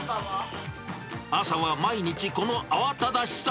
朝は毎日、この慌ただしさ。